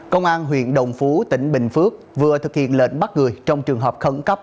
công an huyện đồng phú tỉnh bình phước vừa thực hiện lệnh bắt người trong trường hợp khẩn cấp